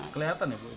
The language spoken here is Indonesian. kelihatan ya bu